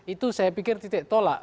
itu saya pikir titik tolak